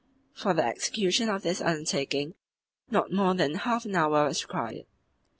For the execution of this undertaking not more than half an hour was required.